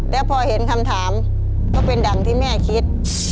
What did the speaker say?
แล้วพอเห็นคำถามก็เป็นดังที่แม่คิด